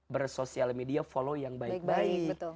bersosial media follow yang baik baik